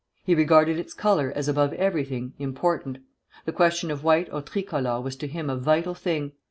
"He regarded its color as above everything important. The question of white or tricolor was to him a vital thing.